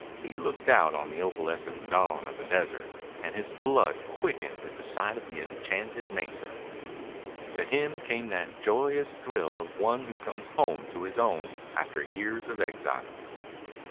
He looked out on the opalescent dawn of the desert, and his blood quickened at sight of the enchanted mesa. To him came that joyous thrill of one who comes home to his own after years of exile.